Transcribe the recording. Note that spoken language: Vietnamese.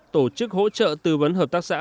tổ chức hỗ trợ tư vấn hợp tác xã